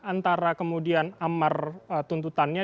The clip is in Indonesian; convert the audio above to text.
antara kemudian amar tuntutannya